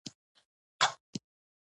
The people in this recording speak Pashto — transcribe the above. له مختلفو قومونو سره وغږېد.